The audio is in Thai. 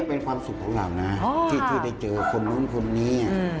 เป็นความสุขของเรานะที่ได้เจอคนนู้นคนนี้